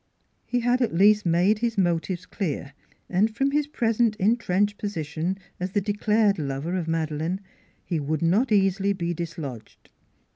He had at least made his motives clear. And from his present intrenched position as the declared lover of Madeleine he would not easily be dis lodged.